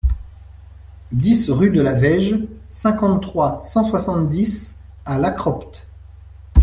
dix rue de la Vaige, cinquante-trois, cent soixante-dix à La Cropte